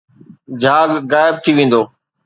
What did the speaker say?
جھاگ غائب ٿي ويندو